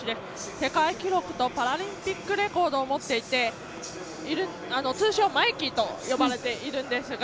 世界記録とパラリンピックレコードを持っていて通称マイキーと呼ばれているんですが。